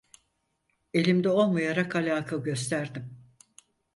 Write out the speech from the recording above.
Elimde olmayarak alaka gösterdim.